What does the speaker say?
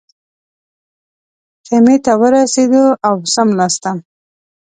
خیمې ته ورسېدو او څملاستم.